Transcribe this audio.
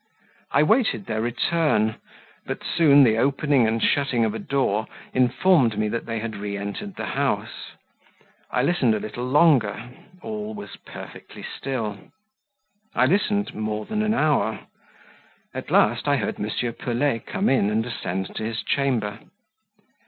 I waited their return, but soon the opening and shutting of a door informed me that they had re entered the house; I listened a little longer, all was perfectly still; I listened more than an hour at last I heard M. Pelet come in and ascend to his chamber.